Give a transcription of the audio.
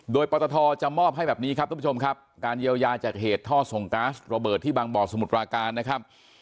โดยปตทจะมอบให้แบบนี้ครับทุกผู้ชมครับการเยียวยาจากเหตุท่อส่งก๊าซระเบิดที่บางบ่อสมุทรปราการนะครับ